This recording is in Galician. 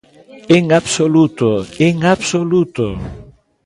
¡En absoluto, en absoluto!